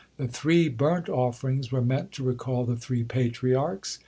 The three burnt offerings were meant to recall the three Patriarchs.